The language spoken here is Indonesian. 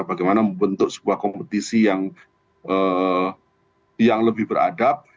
bagaimana membentuk sebuah kompetisi yang lebih beradab